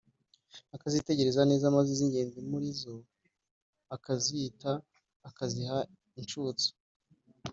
akazitegereza neza, maze iz’ingenzi muri zo akazita, akaziha inshutso.